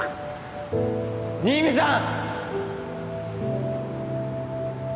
新見さん！